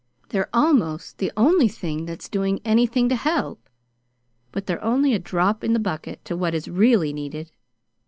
They're almost the only thing that's doing anything to help; but they're only a drop in the bucket to what is really needed.